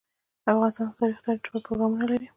افغانستان د تاریخ د ترویج لپاره پروګرامونه لري.